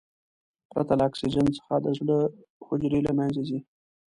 پرته له اکسیجن څخه د زړه حجرې له منځه ځي.